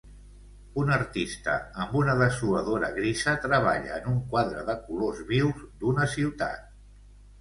Un artista amb una dessuadora grisa treballa en un quadre de colors vius d'una ciutat.